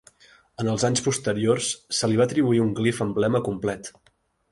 En els anys posteriors, se li va atribuir un glif emblema complet.